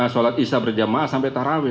sholat isya berjamaah sampai taraweh